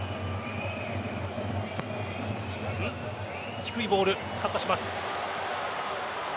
低いボール、カットします。